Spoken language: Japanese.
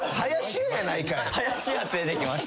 林家連れていきます。